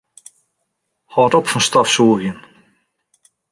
Hâld op fan stofsûgjen.